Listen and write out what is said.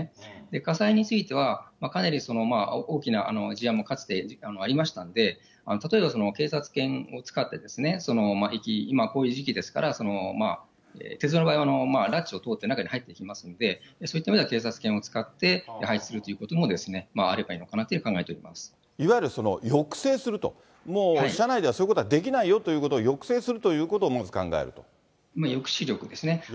火災については、かなり大きな事案もかつてありましたんで、例えば警察権を使って、駅、今こういう時期ですから、鉄道の場合は中に入っていきますので、そういった意味では、警察犬を使って配置するということもあればいいのかなと考えておいわゆる抑制すると、もう車内ではそういうことはできないよということを抑制するということ抑止力ですね。